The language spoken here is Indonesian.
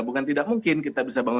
bukan tidak mungkin kita bisa bangun